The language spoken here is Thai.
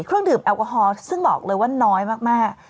เครื่องดื่มแอลกอฮอลซึ่งบอกเลยว่าน้อยมาก